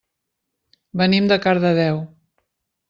Venim de Cardedeu.